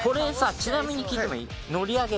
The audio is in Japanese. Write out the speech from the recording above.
ちなみに聞いてもいい？